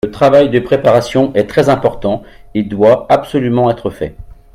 Le travail de préparation est très important et doit absolument être fait